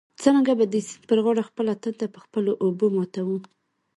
څرنګه به د سیند پر غاړه خپله تنده په خپلو اوبو ماتوو.